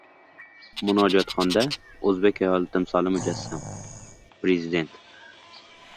Munojotxonda o‘zbek ayoli timsoli mujassam – Prezident